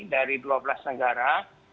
dari dua belas negara